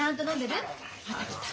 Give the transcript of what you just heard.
また来た。